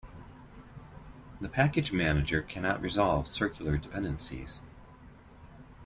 The package manager cannot resolve circular dependencies.